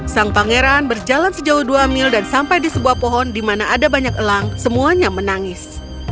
sang pangeran berjalan sejauh dua mil dan sampai di sebuah pohon di mana ada banyak elang semuanya menangis